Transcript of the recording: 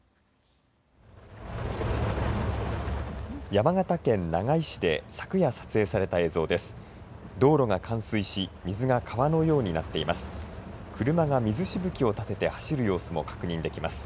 山形県長井市で昨夜、撮影された映像です。